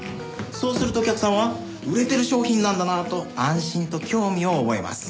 そうするとお客さんは売れてる商品なんだなと安心と興味を覚えます。